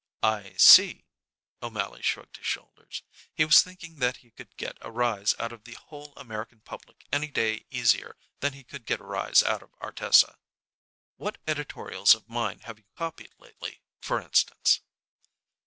"I see." O'Mally shrugged his shoulders. He was thinking that he could get a rise out of the whole American public any day easier than he could get a rise out of Ardessa. "What editorials of mine have you copied lately, for instance?"